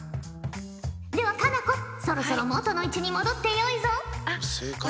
では佳菜子そろそろ元の位置に戻ってよいぞ！